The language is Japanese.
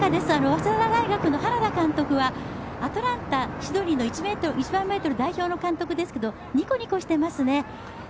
早稲田大学の原田監督はアトランタ、シドニーの１００００ｍの代表の監督ですけどニコニコしていますね。